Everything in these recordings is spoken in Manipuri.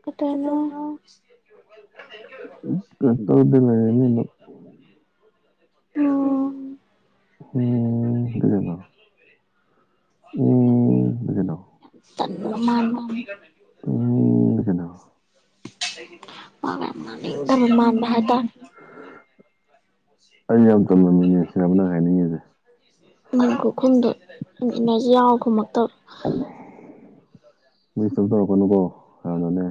ꯀꯩꯇꯧꯔꯤꯅꯣ ꯀꯩꯇꯧꯅꯣ? ꯀꯩꯝ ꯇꯧꯗꯦꯅꯦ꯫ ꯎꯝ [unintelligible] ꯌꯥꯝ ꯀꯩꯅꯣ ꯌꯥꯝ ꯇꯟꯕ ꯃꯟꯕ꯫ ꯋꯥ ꯌꯥꯝ ꯎꯝ ꯀꯩꯅꯣ ꯉꯥꯡꯅꯤꯡꯗꯕ ꯃꯥꯟꯕ ꯍꯥꯏꯇꯔꯦ꯫ ꯑꯩ ꯌꯥꯝ ꯇꯟꯕ ꯃꯤꯅꯦ ꯁꯤꯔꯥꯕ ꯅꯪ ꯍꯥꯏꯅꯤꯡꯉꯤꯁꯦ? ꯅꯪ ꯈꯨꯈꯨꯝꯗꯣ ꯏꯅꯔꯖꯤ ꯌꯥꯎ ꯈꯨꯝꯃꯛꯇꯕ꯫ ꯃꯤ ꯑꯨꯁꯤꯠꯇꯕ ꯇꯧꯔꯛꯀꯅꯨꯀꯣ ꯌꯥꯝꯅꯅꯦ꯫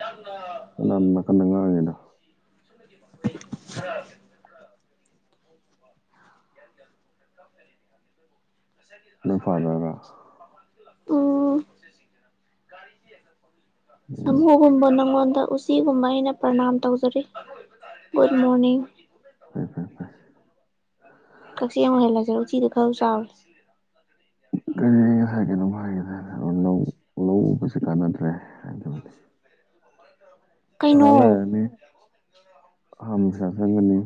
ꯌꯥꯝꯅ ꯀꯥꯅꯅꯣ ꯅꯥꯀꯟꯅꯗ ꯉꯥꯡꯉꯤꯗꯣ? [inaudible] ꯅꯣꯏ ꯐꯥꯗꯔꯔꯥ ꯑꯣ꯫ ꯎꯝ ꯁꯃꯨꯒꯨꯝꯕ ꯅꯪꯉꯣꯟꯗ ꯎꯁꯤꯠ ꯆꯤꯒꯨꯝꯕ ꯑꯩꯅ ꯄ꯭ꯔꯅꯥꯝ ꯇꯧꯖꯔꯤ ꯒꯨꯗ ꯃꯣꯔꯅꯤꯡ꯫ ꯐꯩ ꯐꯩ ꯐꯩ꯫ ꯀꯛꯆꯦꯡ ꯑꯣꯏꯅ ꯂꯩꯖꯔꯦ ꯎꯆꯤꯗꯤ ꯈꯔ ꯆꯥꯎꯔꯦ꯫ ꯀꯔꯤ ꯉꯁꯥꯏ ꯀꯩꯅꯣꯝ ꯍꯥꯏꯒꯤꯗꯥꯏꯅꯦ, ꯂꯧ ꯂꯧ ꯎꯕꯁꯦ ꯀꯥꯟꯅꯗ꯭ꯔꯦ, ꯀꯩꯅꯣ ꯔꯥ ꯂꯩꯔꯅꯤ ꯑꯃꯨꯛ ꯄꯩꯁꯥ ꯆꯪꯉꯅꯤ꯫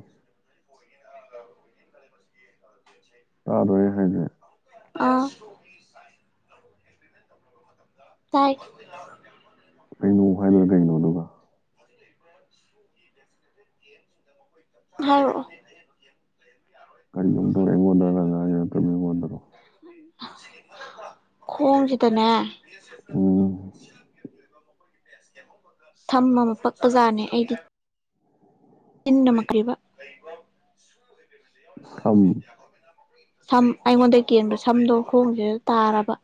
ꯇꯥꯔꯣꯏ ꯑꯩ ꯍꯥꯏꯁꯦ? ꯑꯥ ꯇꯥꯏ꯫ ꯀꯩꯅꯣ ꯍꯥꯏꯗꯣꯅ ꯀꯩꯅꯣ ꯑꯗꯨꯒ꯫ [inaudible] ꯍꯥꯏꯔꯛꯑꯣ꯫ ꯀꯔꯤ ꯑꯃꯨꯛ ꯇꯧꯔꯦ ꯑꯩꯉꯣꯟꯗꯔ ꯅꯪ ꯉꯥꯡꯉꯤꯗꯣ, ꯅꯠꯇ꯭ꯔꯥ ꯃꯤꯉꯣꯟꯗꯔꯣ? ꯈꯣꯡꯁꯤꯗꯅꯦ, ꯑꯝ ꯊꯝ ꯑꯃ ꯃꯄꯥꯛꯄ ꯖꯅꯦ ꯑꯩꯗꯤ, ꯏꯟꯅ ꯃꯀ꯭ꯔꯤꯕ꯫ ꯁꯝ ꯁꯝ ꯑꯩꯉꯣꯟꯗꯩ ꯀꯦꯟꯕ ꯁꯝꯗꯣ ꯈꯣꯡꯁꯤꯗ ꯇꯥꯔꯕ꯫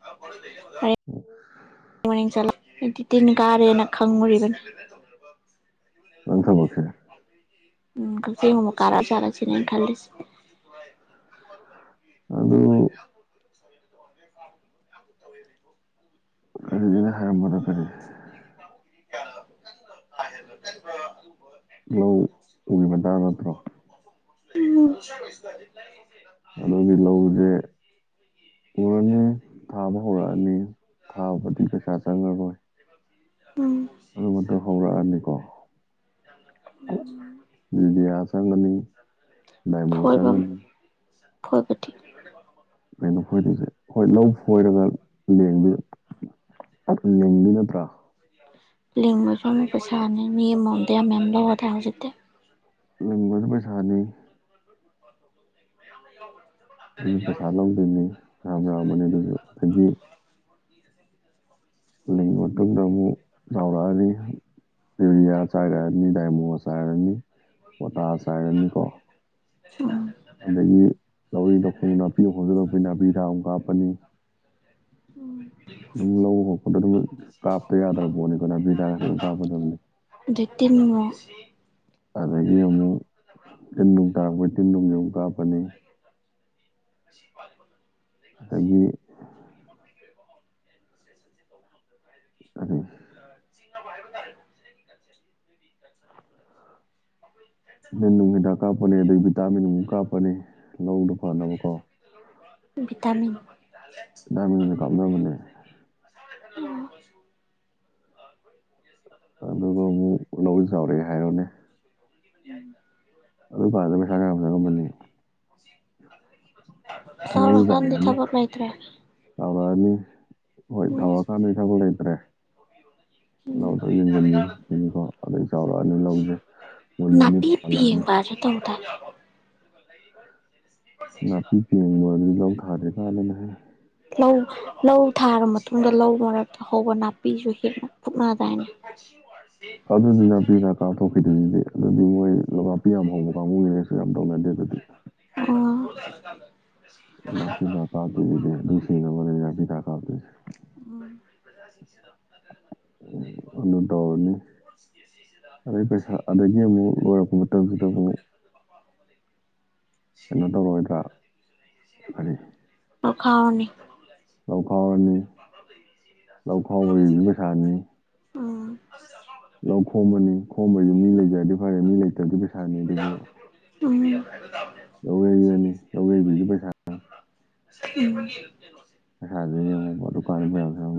ꯃꯔꯦꯡ ꯃꯔꯦꯡ ꯆꯠꯂ ꯑꯩꯗꯤ ꯇꯤꯟ ꯀꯥꯔꯦꯅ ꯈꯪꯉꯨꯔꯤꯕꯅꯤ꯫ ꯅꯪ ꯊꯕꯛꯁꯦ꯫ ꯎꯝ ꯀꯛꯆꯦꯡ ꯑꯃꯨꯛ ꯀꯥꯔ ꯆꯥꯔꯁꯤꯅꯦ ꯑꯩ ꯈꯜꯂꯤꯁꯤ꯫ ꯑꯗꯨ, ꯑꯗꯨꯗꯨꯅ ꯍꯥꯏꯔꯝꯕꯗ ꯀꯔꯤ? [unintelligible] ꯂꯧ ꯎꯕ ꯇꯥꯕ ꯅꯠꯇ꯭ꯔꯣ? ꯎꯝ ꯑꯗꯨꯗꯤ ꯂꯧꯁꯦ, ꯎꯔꯅꯤ ꯊꯥꯕ ꯍꯧꯔꯛꯑꯅꯤ ꯊꯥꯕꯗꯤ ꯄꯩꯁꯥ ꯆꯪꯉꯔꯣꯏ꯫ ꯎꯝ ꯑꯗꯨꯝꯕꯗꯨ ꯍꯧꯔꯛꯑꯅꯤꯀꯣ [unintelligible] ꯆꯪꯒꯅꯤ ꯗꯥꯏꯃꯣ ꯐꯣꯏꯕ ꯆꯪꯒꯅꯤ [unintelligible] ꯀꯩꯅꯣ ꯈꯣꯏꯗꯣꯏꯁꯦ ꯍꯣꯏ ꯂꯧ ꯈꯣꯏꯔꯒ ꯂꯦꯡꯕꯤ [unintelligible] ꯅꯠꯇ꯭ꯔꯥ ꯂꯤꯡꯕꯁꯨꯨ ꯑꯃꯨꯛ ꯄꯩꯁꯥꯅꯤ ꯃꯤ [unintelligible] ꯌꯥꯝ ꯃꯌꯥꯝ [unintelligible] ꯍꯧꯖꯤꯛꯇꯤ ꯂꯤꯡꯕꯁꯨ ꯄꯩꯁꯥꯅꯤ [unintelligible] ꯑꯗꯨꯒꯤ ꯄꯩꯁꯥ ꯂꯧꯗꯣꯏꯅꯤ ꯌꯥꯝ ꯌꯥꯝꯕꯅꯤ ꯑꯗꯨꯁꯨ ꯑꯗꯒꯤ ꯂꯤꯡꯕ ꯃꯇꯨꯡꯗ ꯑꯃꯨꯛ ꯆꯥꯎꯔꯛꯑꯅꯤ ꯌꯨꯔꯤꯌꯥ ꯆꯥꯏꯔꯅꯤ ꯗꯥꯏꯃꯣ ꯆꯥꯥꯏꯔꯅꯤ ꯄꯣꯇꯥꯁ ꯆꯥꯏꯔꯅꯤꯀꯣ ꯎꯝ ꯑꯗꯒꯤ ꯂꯧꯔꯤ ꯂꯧꯈꯣꯡ ꯅꯥꯄꯤ ꯍꯧꯖꯤꯜꯂꯛꯄꯩ ꯅꯥꯄꯤ ꯍꯤꯗꯥꯛ ꯑꯃꯨꯛ ꯀꯥꯞꯄꯅꯤ ꯑꯗꯨꯝ ꯂꯧꯕ [unintelligible] ꯑꯗꯨꯝ ꯀꯥꯞꯇ ꯌꯥꯗ꯭ꯔ ꯄꯣꯠꯅꯤꯀꯣ ꯅꯥꯄꯤ ꯍꯤꯗꯥꯛ ꯑꯗꯨꯝ ꯀꯥꯞꯄꯗꯕꯅꯤ ꯑꯗꯨ ꯇꯤꯟ [unintelligible] ꯑꯗꯒꯤ ꯑꯃꯨꯛ ꯇꯤꯟ ꯅꯨꯡ ꯇꯥꯔꯛꯄꯩ ꯇꯤꯟ ꯅꯨꯡꯁꯨ ꯑꯃꯨꯛ ꯀꯥꯞꯄꯅꯤ [unintelligible] ꯗꯒꯤ [unintelligible] [unintelligible] [unintelligible] ꯅꯦꯟ ꯅꯨꯡ ꯍꯤꯗꯥꯛ ꯀꯥꯞꯄꯅꯤ ꯑꯗꯒꯤ ꯚꯤꯇꯥꯃꯤꯟ ꯑꯃꯨꯛ ꯀꯥꯞꯄꯅꯤ ꯂꯧꯗꯨ ꯐꯅꯕꯀꯣ [unintelligible] ꯚꯤꯇꯥꯃꯤꯟ [unintelligible] ꯀꯥꯞꯅꯕꯅꯦ [unintelligible] ꯑꯣ ꯑꯗꯨꯒ ꯑꯃꯨꯛ [unintelligible] ꯆꯥꯎꯔꯛꯑꯦ ꯍꯥꯏꯔꯣꯅꯦ [unintelligible] ꯑꯗꯨꯒꯥꯟꯗ ꯄꯩꯁꯥ ꯀꯌꯥꯝ ꯆꯪꯉꯝꯃꯅꯤ ꯂꯧꯁꯨ ꯆꯥꯎꯔꯛꯑꯅꯤ ꯇ꯭ꯔꯦ ꯆꯥꯎꯔꯛꯑꯅꯤ ꯍꯣꯏ ꯊꯥꯎꯔꯛꯀꯥꯟꯗꯗꯤ ꯊꯕꯛ ꯂꯩꯇ꯭ꯔꯦ [unintelligible] ꯑꯗꯩ ꯆꯥꯎꯔꯛꯑꯅꯤ ꯂꯧꯁꯦ ꯃꯨꯜꯂꯅꯤ ꯅꯥꯄꯤ ꯄꯥꯜꯂꯛꯑꯅꯤ ꯄꯦꯡꯕ ꯍꯥꯏꯁꯦ [unintelligible] ꯅꯥꯄꯤ ꯄꯦꯡꯕꯗꯨꯗꯤ ꯂꯧ ꯊꯥꯗ꯭ꯔꯤ ꯀꯥꯟꯗꯅꯤꯍꯦ ꯂꯧ ꯂꯧ ꯊꯥꯔ ꯃꯇꯨꯡꯗ ꯂꯧ ꯃꯔꯛꯇ ꯍꯧꯕ ꯅꯥꯄꯤꯁꯨ ꯐꯨꯛꯅꯗꯥꯏꯅꯦ ꯑꯗꯨꯗꯤ ꯅꯥꯄꯤ ꯍꯤꯗꯥꯛ ꯀꯥꯞꯊꯣꯛꯈꯤꯗꯣꯏꯖꯤꯗꯤ ꯑꯗꯨꯗꯤ ꯃꯣꯏ ꯂꯧ ꯅꯥꯞꯄꯤ ꯌꯥꯝ ꯍꯧꯕ ꯀꯥꯡꯕꯨꯒꯤꯗꯁꯨ ꯌꯥꯝ ꯇꯧꯅꯗꯦ ꯑꯗꯨꯗꯤ ꯑꯣ ꯅꯥꯄꯤ ꯍꯤꯗꯥꯛ ꯀꯥꯞꯄꯤꯗꯨꯗꯤ ꯑꯗꯨꯝ ꯁꯤꯅꯕꯅꯤ ꯅꯥꯄꯤ ꯍꯤꯗꯥꯛ ꯀꯥꯞꯇꯣꯏꯁꯤ ꯑꯣ [unintelligible] [unintelligible] ꯑꯗꯨ ꯇꯧꯔꯅꯤ ꯑꯗꯩ ꯄꯩꯁꯥ ꯑꯗꯒꯤ ꯑꯃꯨꯛ ꯂꯣꯏꯔꯛꯄ ꯃꯇꯝꯁꯤꯗ ꯑꯃꯨꯛ ꯀꯩꯅꯣ ꯇꯧꯔꯣꯏꯗ꯭ꯔꯥ ꯀꯔꯤ ꯑꯥꯈꯥꯝꯃꯦ ꯂꯧ ꯈꯥꯎꯔꯅꯤ ꯂꯧ ꯈꯥꯎꯕꯒꯤꯁꯨ ꯄꯩꯁꯥꯅꯤ ꯎꯝ ꯂꯧ ꯈꯣꯝꯃꯅꯤ ꯈꯣꯝꯕꯩꯁꯨ ꯃꯤ ꯂꯩꯖꯔꯗꯤ ꯐꯔꯦ ꯃꯤ ꯂꯩꯇ꯭ꯔꯗꯤ ꯄꯩꯁꯥꯅꯤ ꯑꯗꯨꯁꯨ ꯇꯨꯝꯃꯤ [unintelligible] ꯂꯧꯌꯩꯕꯅꯤ ꯂꯧꯌꯩꯕꯩꯁꯨ ꯄꯩꯁꯥ ꯆꯪꯉꯤ [unintelligible] ꯁꯥꯗꯨꯏꯅꯦꯕꯀꯣ ꯑꯗꯨꯀꯥꯟꯗ ꯃꯌꯥꯝ [unintelligible] [unintelligible]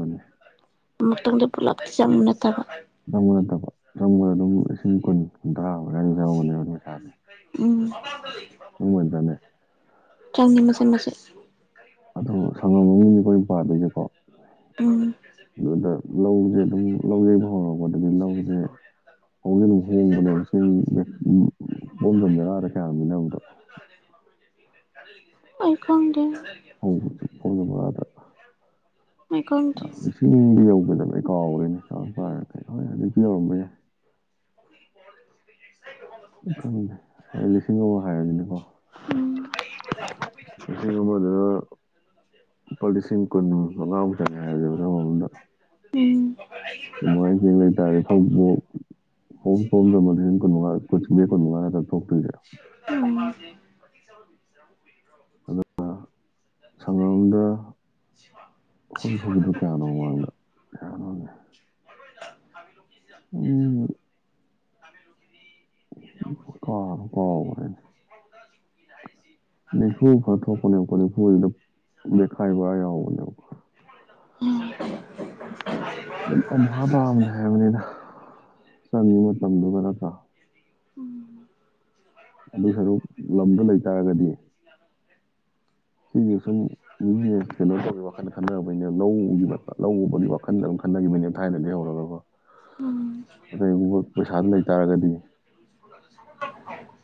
ꯃꯇꯨꯡꯗ ꯄꯨꯂꯞꯇꯤ ꯆꯪꯕ ꯅꯠꯇꯕ ꯕ ꯅꯠꯇꯕ ꯆꯪꯕꯗ ꯑꯗꯨꯝ ꯂꯤꯁꯤꯡ ꯀꯨꯟ ꯀꯨꯟꯊ꯭ꯔꯥ ꯃꯨꯛ ꯑꯗꯥꯢꯟ ꯌꯧꯕꯅꯦꯕ ꯑꯗꯨꯝ ꯄꯩꯁꯥꯁꯦ ꯎꯝ [unintelligible] ꯆꯪꯉꯦ ꯃꯆꯤꯠ ꯃꯆꯤꯠ ꯑꯗꯣ ꯁꯪꯉꯝ [unintelligible] ꯑꯈꯣꯢꯄꯥꯟꯗꯣꯏꯁꯤꯀꯣ ꯎꯝ ꯑꯗꯨꯗ ꯂꯧꯖꯦ ꯑꯗꯨꯝ ꯂꯧ ꯌꯩꯕ ꯍꯧꯔꯛꯄꯗꯗꯤ ꯂꯧꯖꯦ ꯐꯧꯁꯦ ꯑꯗꯨꯝ ꯍꯣꯡꯕꯅꯦꯕ ꯆꯦꯡ ꯕꯦꯛ [unintelligible] ꯕꯣꯔꯥꯗ ꯀ꯭ꯌꯥ ꯄꯤꯅꯕꯅꯣ ꯈꯪ [unintelligible] ꯑꯩ ꯈꯪꯗꯦ [unintelligible] ꯐꯧꯅ ꯕꯣꯔꯥꯗ ꯑꯩ ꯈꯪꯗꯦ ꯂꯤꯁꯤꯡꯗꯤ ꯌꯧꯒꯤꯗꯕꯅꯦ ꯑꯩ ꯀꯥꯎꯔꯦꯅꯦ [unintelligible] ꯍꯧꯖꯤꯛꯇꯤ ꯌꯧꯔꯝꯕ ꯌꯥꯏ [unintelligible] ꯈꯪꯗꯦ ꯍꯣꯏ ꯂꯤꯁꯤꯡ ꯑꯃ ꯍꯥꯏꯔꯖꯤꯅꯦꯀꯣ ꯎꯝ [unintelligible] ꯑꯃꯗ ꯂꯨꯄꯥ ꯂꯤꯁꯤꯡ ꯀꯨꯟ ꯃꯉꯥꯕꯨ ꯆꯪꯉꯦ ꯍꯥꯏꯔꯖꯤꯕ ꯂꯧ ꯑꯃꯃꯝꯗ ꯎꯝ ꯁꯨꯃꯥꯏ ꯍꯤꯡ ꯂꯩ ꯇꯥꯔꯗꯤ ꯐꯧꯕꯣꯠ [unintelligible] ꯀꯨꯟꯃꯉꯥ ꯅꯠꯇ꯭ꯔ ꯊꯣꯛꯇꯣꯏꯁꯦ ꯎꯝ ꯁꯪꯒꯝꯗ ꯑꯈꯣꯢ ꯊꯣꯛꯈꯤꯕꯗꯨ ꯀ꯭ꯌꯥꯅꯣ ꯃꯃꯥꯡꯗ [unintelligible] ꯎꯝ [unintelligible] ꯀꯥꯎꯕꯨ ꯀꯥꯎꯒ꯭ꯔꯦꯅꯦ [unintelligible] ꯍꯥꯏꯔꯤꯁꯤ ꯅꯤꯝꯐꯨ ꯈꯔ ꯊꯣꯛꯄꯅꯦꯕꯀꯣ ꯅꯤꯝꯐꯨꯗꯨꯗ ꯕꯦꯛꯈꯥꯏ ꯕꯣꯔꯥ ꯌꯥꯎꯕꯅꯦꯕꯀꯣ ꯎꯝ ꯑꯗꯨꯝ ꯑꯝꯍꯥ ꯇꯥꯕꯅꯦ ꯍꯥꯏꯕꯅꯤꯗ ꯆꯪꯉꯤ ꯃꯇꯝꯗꯨꯒ ꯅꯠꯇ꯭ꯔꯥ ꯑꯗꯨ ꯁꯔꯨꯛ ꯂꯝꯗꯨ ꯂꯩꯇꯥꯔꯒꯗꯤ [unintelligible] ꯁꯤꯖꯦ ꯁꯨꯝ꯫ ꯕꯤꯖꯤꯅꯦꯁ ꯀꯩꯅꯣ ꯇꯧꯕꯒꯤ ꯋꯥꯈꯜꯗ ꯈꯟꯗꯕꯩꯅꯦ ꯂꯧꯒꯤ [unintelligible] ꯂꯧ ꯎꯕꯒꯤ ꯋꯥꯈꯟꯗ ꯑꯗꯨꯝ ꯈꯟꯅꯈꯤꯕꯩꯅꯦꯕ ꯊꯥꯏꯅꯗꯒꯤ ꯍꯧꯔꯒꯀꯣ꯫ [unintelligible] ꯑꯗꯩꯃꯨꯛ ꯄꯩꯁꯥꯗꯨ ꯂꯩꯇꯥꯥꯔꯒꯗꯤ꯫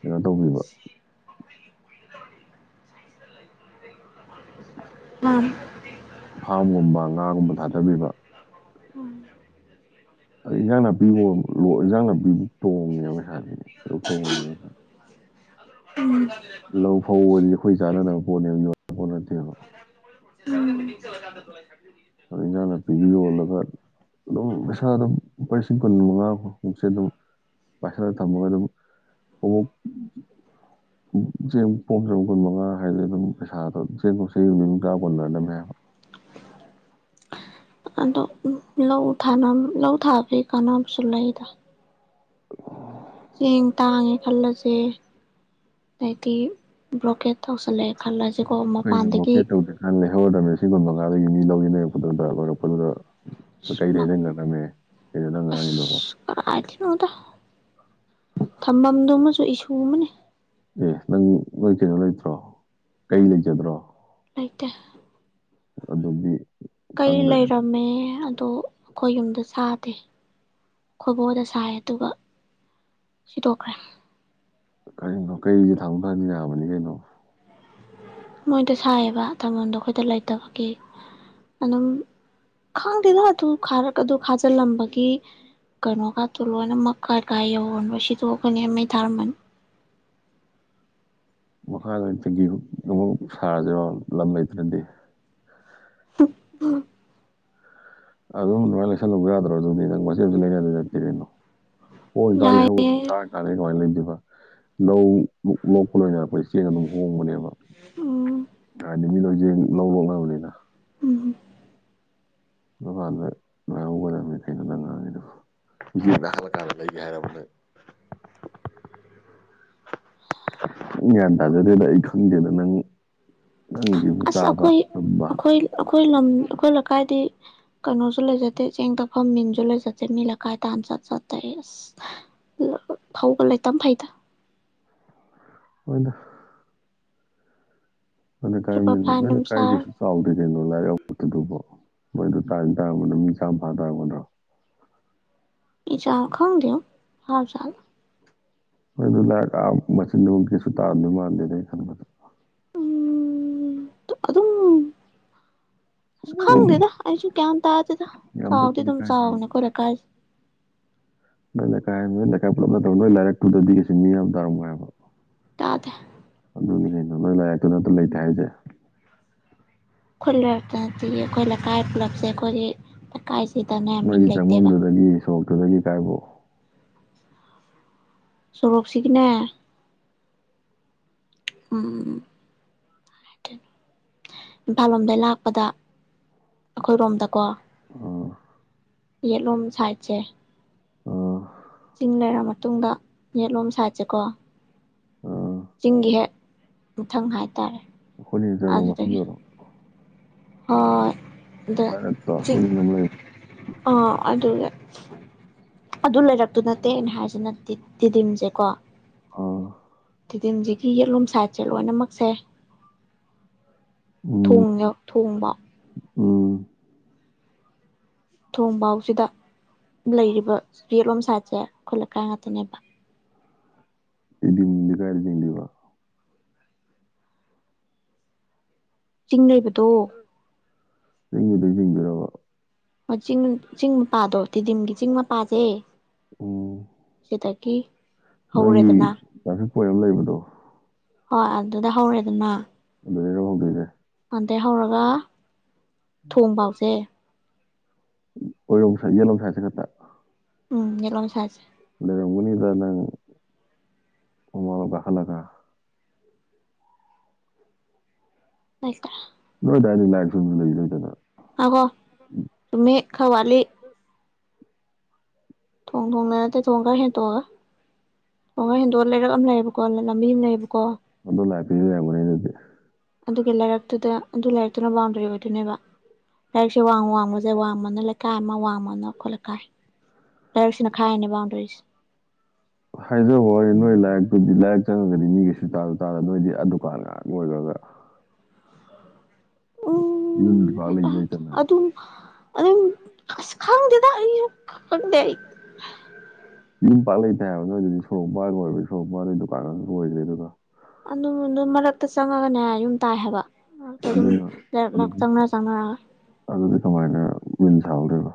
ꯀꯩꯅꯣ ꯇꯧꯕꯤꯕ [unintelligible] ꯐꯥꯝꯒꯨꯝꯕ ꯉꯥꯒꯨꯝꯕ ꯊꯥꯗꯕꯤꯕ꯫ ꯎꯝ꯫ ꯑꯗ ꯏꯟꯖꯥꯡ ꯅꯥꯄꯤ [unintelligible] ꯏꯟꯖꯥꯡ ꯅꯥꯄꯤꯖꯤ ꯇꯣꯡꯉꯦꯕ ꯄꯩꯁꯥꯗꯤ ꯀꯩꯗꯧ ꯇꯣꯡꯉꯣꯢꯗ꯭ꯔꯤꯅꯣ [unintelligible] ꯂꯧ ꯐꯧ ꯑꯣꯏꯅꯗꯤ ꯑꯩꯈꯣꯏ ꯆꯥꯅꯅꯕ ꯄꯣꯠꯅꯦꯕ ꯌꯣꯟꯅꯕ ꯄꯣꯠ ꯅꯠꯇꯦꯕ꯫ ꯎꯝ꯫ ꯑꯗꯨ ꯏꯟꯖꯥꯡ ꯅꯄꯤꯖꯤ ꯌꯣꯜꯂꯒ꯫ ꯑꯗꯨꯝ ꯄꯩꯁꯥꯗꯣ ꯂꯨꯄꯥ ꯂꯤꯁꯤꯡ ꯀꯨꯟ ꯃꯉꯥ ꯃꯨꯛꯁꯦ ꯑꯗꯨꯝ ꯄꯥꯏꯁꯥꯜꯂ ꯊꯝꯃꯣ ꯑꯗꯨꯝ [unintelligible] [inaudible] ꯆꯦꯡ ꯄꯣꯝ ꯆꯝ ꯀꯨꯟꯃꯉꯥ ꯍꯥꯏꯔꯗꯤ ꯑꯗꯨꯝ ꯄꯩꯁꯥꯗꯣ ꯆꯦꯡꯒ ꯆꯍꯤ ꯅꯨꯃꯤꯠ [unintelligible] ꯀꯣꯟꯅꯔꯝꯗꯃꯤ ꯍꯥꯏꯕ ꯑꯗꯣ ꯂꯧ ꯊꯥꯅꯕ ꯂꯧ ꯊꯥꯕꯒꯤ ꯀꯥꯅꯕꯁꯨ ꯂꯩꯗ ꯆꯦꯡ ꯇꯥꯡꯉꯦ ꯈꯜꯂꯁꯦ ꯍꯥꯏꯗꯤ ꯕ꯭ꯂꯣꯀꯦꯠ ꯇꯧꯁꯜꯂꯛꯑꯦ ꯈꯜꯂꯁꯦꯀꯣ ꯃꯄꯥꯟꯗꯒꯤ ꯅꯪ [unintelligible] [unintelligible] ꯀꯩꯅꯣ ꯅꯪ ꯉꯥꯡꯉꯤꯗꯣꯕꯣ ꯀꯔꯥꯏ ꯗꯩꯅꯣꯗ ꯊꯝꯐꯝꯗꯨꯃꯁꯨ ꯏꯁꯨ ꯑꯃꯅꯤ ꯑꯦ ꯅꯪ ꯅꯣꯏ ꯀꯩꯅꯣ ꯂꯩꯇ꯭ꯔꯣ ꯀꯩ ꯂꯩꯖꯗ꯭ꯔꯣ ꯂꯩꯇꯦ ꯑꯗꯨꯗꯤ ꯀꯩ ꯈꯪꯗ꯭ꯔꯦ ꯑꯗꯨ ꯂꯩꯔꯝꯃꯦ ꯑꯗꯣ ꯑꯩꯈꯣꯏ ꯌꯨꯝꯗꯣ ꯁꯥꯗꯦ ꯑꯩꯈꯣꯏꯕꯣꯛ ꯍꯣꯏꯗ ꯁꯥꯏꯌꯦ ꯑꯗꯨꯒ ꯁꯤꯗꯣꯛꯈ꯭ꯔꯦ ꯀꯔꯤꯒꯤꯅꯣ ꯀꯩꯗꯤ ꯊꯥꯡꯗꯣꯛ ꯊꯥꯡꯖꯤꯟ ꯌꯥꯕꯅꯤ ꯀꯩꯅꯣ꯫ ꯃꯣꯏꯗ ꯁꯥꯏꯌꯦꯕ ꯊꯝꯕꯝꯗꯣ ꯑꯩꯈꯣꯏꯗ ꯂꯩꯇꯕꯒꯤ ꯑꯗꯨꯝ ꯈꯪꯗꯦꯗꯣ ꯑꯗꯨꯝ ꯈꯔ ꯑꯗꯨ ꯈꯥꯖꯤꯜꯂꯝꯕꯒꯤ ꯀꯩꯅꯣꯒꯇꯣ ꯂꯣꯏꯅꯃꯛ ꯀꯥꯏ ꯀꯥꯏ ꯌꯧꯒꯔꯝꯅꯣ ꯁꯤꯗꯣꯛꯑꯒꯅꯦ ꯃꯩ ꯊꯥꯔꯝꯃꯅꯤ [unintelligible] ꯃꯨꯛ ꯁꯥꯔꯁꯤꯔꯣ ꯂꯝ ꯂꯩꯇ꯭ꯔꯗꯤ [unintelligible] ꯑꯗꯨꯝ [unintelligible] ꯂꯩꯁꯜꯍꯧꯕ ꯌꯥꯗ꯭ꯔꯣ ꯑꯗꯨꯗꯤ ꯅꯪ ꯃꯆꯦꯠ ꯃꯆꯦꯠ ꯂꯩꯅꯗꯣꯏ ꯁꯔꯨꯛꯄꯨꯗꯤ [unintelligible] ꯍꯣꯡꯉꯤꯀꯥꯟ ꯌꯥꯏꯌꯦ ꯂꯩꯍꯧꯒꯗꯕꯅꯤ ꯇꯥꯡꯉꯤꯀꯥꯟ ꯀꯃꯥꯏꯅ ꯂꯩꯗꯣꯏꯕ ꯂꯧ ꯂꯣꯛꯄ ꯂꯣꯏꯅꯔꯛꯄꯩꯁꯦ ꯆꯦꯡ ꯑꯗꯨꯝ ꯍꯣꯡꯕꯅꯦꯕ ꯎꯝ ꯍꯥꯏꯗꯤ ꯃꯤ ꯂꯣꯏ ꯆꯦꯡ ꯂꯧ ꯂꯣꯛꯅꯕꯅꯤꯅ ꯎꯝ ꯑꯗꯨꯀꯥꯟꯗ ꯂꯩꯍꯧꯒꯗꯕꯅꯦ ꯀꯩꯅꯣ ꯅꯪ ꯉꯥꯡꯉꯤꯗꯨꯕꯨ [unintelligible] ꯑꯩ ꯒ꯭ꯌꯥꯟ ꯇꯥꯖꯗꯦꯗ ꯑꯩ ꯈꯪꯗꯦꯗ ꯅꯪ ꯅꯪꯒꯤꯕꯨ ꯑꯁ ꯆꯥꯕ ꯑꯩꯈꯣꯏ ꯇꯨꯝꯕ ꯑꯩꯈꯣꯏ ꯑꯩꯈꯣꯏ ꯂꯝ ꯑꯩꯈꯣꯏ ꯂꯩꯀꯥꯏꯗꯤ ꯀꯩꯅꯣꯁꯨ ꯂꯩꯖꯗꯦ ꯆꯦꯡ ꯇꯛꯐꯝ ꯃꯤꯟꯁꯨ ꯂꯩꯖꯗꯦ ꯃꯤ ꯂꯩꯀꯥꯏ ꯇꯥꯅ ꯆꯠ ꯆꯠ ꯇꯛꯏ ꯑꯁ [unintelligible] ꯐꯧꯒ ꯂꯩ ꯇꯝ ꯐꯩꯗ ꯍꯣꯏꯗ [unintelligible] ꯁꯨꯄꯔ ꯐꯥꯏꯟ ꯅꯣꯏ ꯑꯃ ꯆꯥꯔ ꯂꯩꯀꯥꯏꯗꯁꯨ ꯆꯥꯎꯗꯦ ꯀꯩꯅꯣ [unintelligible] ꯃꯤ ꯆꯥꯝ ꯐꯥ ꯇꯥꯔꯝꯒꯗ꯭ꯔꯣ ꯃꯤꯆꯝ ꯈꯪꯗꯦ [unintelligible] [unintelligible] ꯅꯨꯡ ꯀꯩꯁꯨ ꯇꯥꯔꯃꯗꯧ ꯃꯥꯟꯗꯦ ꯑꯩ ꯈꯟꯕꯗꯥ ꯎꯝ ꯇꯨ ꯑꯗꯨꯝ ꯈꯪꯗꯦꯗ ꯑꯩꯁꯨ ꯒꯌ꯭ꯥꯟ ꯇꯥꯗꯦꯗ ꯌꯥꯝ ꯄꯤꯛꯄ ꯆꯥꯎꯗꯤ ꯑꯗꯨꯝ ꯂꯩꯀꯥꯏꯅꯦ ꯆꯥꯎꯕꯅꯦ ꯑꯩꯈꯣꯏ ꯂꯩꯀꯥꯏꯁꯦ ꯅꯣꯏ ꯂꯩꯀꯥꯏ ꯅꯣꯏ ꯂꯩꯀꯥꯏ ꯄꯨꯜꯂꯞꯅ [unintelligible] ꯀꯩꯁꯨ ꯃꯤ ꯌꯥꯝ ꯇꯥꯔꯝꯃꯣꯏ ꯍꯥꯏꯕ ꯇꯥꯗꯦ [unintelligible] ꯂꯩꯇꯦ ꯍꯥꯏꯁꯦ ꯈꯣꯏ ꯂꯩꯔꯛꯇ ꯅꯠꯇꯤꯌꯦ ꯑꯩꯈꯣꯏ ꯂꯩꯀꯥꯏ ꯄꯨꯂꯞꯁꯦ ꯑꯩꯈꯣꯏꯒꯤ ꯀꯥꯏꯁꯤ ꯗꯅꯦ ꯅꯣꯏꯒꯤ ꯆꯪꯐꯝꯕꯝꯗꯨꯗꯒꯤ ꯁꯣꯔꯣꯛꯇꯨꯗꯒꯤ ꯀꯥꯏꯕꯧ ꯁꯣꯔꯣꯛꯁꯤꯒꯤꯅꯦ ꯎꯝ ꯏꯝꯐꯥꯜ ꯂꯣꯝꯗꯩ ꯂꯥꯛꯄꯗ ꯑꯩꯈꯣꯏꯔꯣꯝꯗꯀꯣ ꯑꯥ ꯌꯦꯠꯂꯣꯝ ꯁꯥꯏꯠꯁꯦ ꯑꯥ ꯆꯤꯡ ꯂꯩꯔ ꯃꯇꯨꯡꯗ ꯌꯦꯠꯂꯣꯝ ꯁꯥꯏꯠꯁꯦꯀꯣ ꯑꯥ ꯆꯤꯡꯒꯤ ꯍꯦꯛ ꯃꯊꯪ ꯍꯥꯏꯇꯥꯔꯦ ꯑꯩꯈꯣꯅꯤ ꯆꯪꯕ ꯑꯗꯨꯗꯒꯤ ꯃꯐꯝꯗꯔꯣ ꯍꯣꯏ ꯗ ꯂꯥꯏꯔꯛꯇꯣ ꯆꯤꯡ ꯑꯃ ꯂꯩꯕ ꯑꯥ ꯑꯗꯨꯗ ꯑꯗꯨ ꯂꯩꯔꯛꯇꯨ ꯅꯠꯇꯦ ꯑꯩꯅ ꯍꯥꯏꯔꯤꯁꯤꯅ ꯇꯤꯗꯤꯝꯁꯦ ꯀꯣ ꯑꯥ ꯇꯤꯗꯤꯝꯁꯤꯒꯤ ꯌꯦꯠꯂꯣꯝ ꯁꯥꯏꯠꯁꯦ ꯂꯣꯏꯅꯃꯛ ꯁꯦ ꯎꯝ ꯊꯣꯡꯌꯧ ꯊꯣꯡꯕ ꯎꯝ ꯊꯣꯡꯕꯥꯥꯎꯁꯤꯗ ꯂꯩꯔꯤꯕ ꯌꯦꯠꯂꯣꯝ ꯁꯥꯏꯠꯁꯦ ꯈꯣꯏ ꯂꯩꯀꯥꯏ ꯉꯥꯛꯇꯅꯦꯕ ꯇꯤꯗꯤꯝꯗꯤ ꯀꯥꯏꯗꯩ ꯆꯤꯡꯗꯨꯏꯕ ꯆꯤꯡ ꯂꯩꯕꯗꯣ [unintelligible] ꯃꯆꯤꯡꯅꯨ ꯆꯤꯡ ꯃꯄꯥꯗꯣ ꯇꯤꯗꯤꯝꯒꯤ ꯆꯤꯡ ꯃꯄꯥꯁꯦ ꯎꯝ ꯑꯗꯒꯤ ꯅꯣꯏꯒꯤ ꯇ꯭ꯔꯥꯐꯤꯛ ꯄꯣꯏꯟ ꯑꯃ ꯂꯩꯕꯗꯣ ꯑ ꯑꯗꯨꯗ ꯍꯧꯔꯦꯗꯅ ꯑꯗꯩꯔꯣ ꯍꯧꯗꯣꯏꯁꯦ ꯑꯗꯩ ꯍꯧꯔꯒ ꯊꯣꯡ ꯐꯥꯎꯁꯦ ꯑꯣꯏꯔꯣꯝ ꯁꯥꯏ ꯌꯦꯠꯂꯣꯝ ꯁꯥꯏꯠꯁꯦ ꯈꯛꯇ ꯎꯝ ꯌꯦꯠꯂꯣꯝ ꯁꯥꯏꯠꯁꯦ ꯂꯩꯔꯝꯒꯤꯅꯨꯗ ꯅꯪ [unintelligible] ꯀꯥꯈꯠꯂꯒ [unintelligible] ꯅꯣꯏ ꯗꯥꯏꯗꯗꯤ ꯂꯥꯏ [unintelligible] ꯉꯥꯏꯈꯣ ꯆꯨꯝꯃꯤ ꯈꯔ ꯋꯥꯠꯂꯤ ꯊꯣꯡ ꯊꯣꯡꯗ ꯅꯠꯇꯦ ꯊꯣꯡ ꯈꯔ ꯍꯦꯟꯇꯣꯛꯑꯒ ꯊꯣꯡ ꯈꯔ ꯍꯦꯟꯗꯣꯛꯑꯒ ꯂꯩꯔꯛ ꯑꯃ ꯂꯩꯌꯦꯕ ꯀꯣ ꯂꯝ ꯂꯝꯕꯤ ꯑꯃ ꯂꯩꯌꯦꯕꯀꯣ ꯑꯗꯨ ꯂꯥꯛꯄꯤꯕ [unintelligible] ꯑꯗꯨꯗꯤ ꯑꯗꯨꯒꯤ ꯂꯩꯔꯛꯇꯨꯗ ꯑꯗꯨ ꯂꯩꯔꯤꯛꯇꯨꯅ ꯕꯥꯎꯟꯗꯔꯤ ꯑꯣꯏꯗꯣꯏꯅꯦꯕ ꯂꯩꯔꯛꯁꯦ ꯋꯥꯡ ꯋꯥꯡꯃꯁꯦ ꯋꯥꯡꯃꯅ ꯂꯩꯀꯥꯏ ꯑꯃ ꯋꯥꯡꯃꯅ ꯑꯩꯈꯣꯏ ꯂꯩꯀꯥꯏ ꯂꯩꯔꯛꯁꯤꯅ ꯈꯥꯏꯔꯤꯅꯦ ꯕꯥꯎꯟꯗꯔꯤꯁꯦ [unintelligible] ꯑꯗꯨꯗꯤ ꯂꯥꯏꯔꯤꯛ ꯆꯪꯉꯒꯗꯤ ꯃꯤ ꯁꯨꯡꯇꯥꯁꯨ ꯇꯥꯔꯣꯏ ꯅꯣꯏꯗꯤ ꯑ ꯗꯨꯀꯥꯟ ꯅꯣꯏꯈ꯭ꯔꯒ ꯎꯝ ꯌꯨꯝꯁꯨ ꯄꯥꯛ ꯂꯩꯁꯨ ꯂꯩꯇꯅ ꯑꯗꯨꯝ ꯑꯗꯨꯝ ꯑꯁ ꯈꯪꯗꯦꯗ ꯑꯩꯁꯨ ꯈꯪꯗꯦ ꯑꯩ ꯌꯨꯝ ꯄꯥꯛ ꯂꯩꯇ ꯍꯥꯏꯕ ꯅ ꯑꯗꯨꯗꯤ ꯁꯣꯔꯣꯝꯄꯥꯒ ꯑꯣꯏꯕ ꯁꯣꯔꯣꯝꯄꯥꯔꯗꯩ ꯗꯨꯀꯥꯟ ꯑꯃꯁꯨ ꯂꯩꯁꯨ ꯂꯩꯇꯅ ꯑꯗꯨ ꯑꯗꯨ ꯃꯔꯛꯇ ꯆꯪꯉꯒꯅꯦ ꯌꯨꯝ ꯇꯥꯏ ꯍꯥꯏꯕ ꯑ ꯑꯗꯨꯝ ꯑꯗꯨꯅ ꯂꯩꯔꯛ ꯂꯩꯔꯛ ꯑꯗꯨꯗꯤ ꯆꯪꯅ ꯆꯅꯥꯔꯒ ꯑꯗꯨꯗꯤ ꯀꯃꯥꯏꯅ ꯌꯨꯝ ꯁꯗꯣꯏꯔꯤꯕ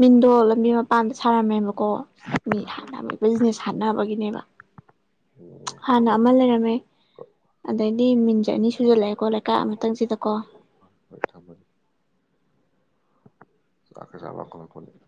ꯃꯤꯟꯗꯣ ꯂꯝꯕꯤ ꯃꯄꯥꯟꯗ ꯁꯥꯔꯝꯃꯦꯕꯀꯣ ꯃꯤ ꯍꯥꯠꯅ ꯕꯤꯖꯤꯅꯦꯁ ꯍꯥꯠꯅꯕꯒꯤꯅꯦꯕ ꯍꯥꯟꯅ ꯑꯃ ꯂꯩꯔꯝꯃꯦ ꯑꯗꯩꯗꯤ ꯃꯤꯟꯖꯦ ꯑꯅꯤ ꯁꯨꯖꯜꯂꯥꯛꯑꯦ ꯀꯣ ꯂꯩꯀꯥꯏ ꯑꯃꯇꯪꯁꯤꯗꯀꯣ [unintelligible]